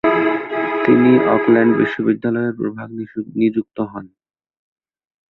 তিনি অকল্যান্ড বিশ্ববিদ্যালয়ে প্রভাষক নিযুক্ত হন।